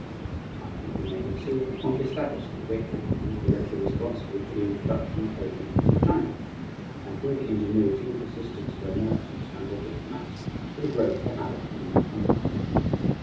I think we may consider the point established that Great Britain is directly responsible for the introduction of opium into China, and, through the ingenuity and persistence of her merchants and her diplomats, for the growth of the habit in that country.